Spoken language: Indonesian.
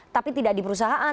tapi tidak di perusahaan